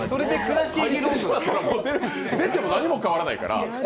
出ても何も変わらないから。